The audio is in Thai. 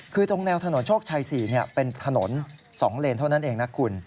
คือตรงแนวถนนโชคชัย๔เป็นถนน๒เลนเท่านั้นเองนะคุณ